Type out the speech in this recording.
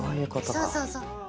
そうそうそう。